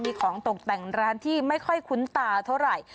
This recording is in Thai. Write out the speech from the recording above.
มีของตกแต่งร้านที่ไม่ค่อยคุ้นตาเท่าไหร่